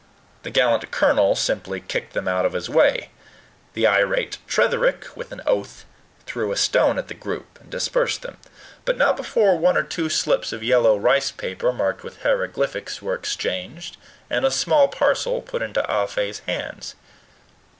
The gallant colonel simply kicked them out of his way; the irate Tretherick, with an oath, threw a stone at the group, and dispersed them, but not before one or two slips of yellow rice paper, marked with hieroglyphics, were exchanged, and a small parcel put into Ah Fe's hands.